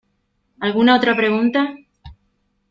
¿ alguna otra pregunta?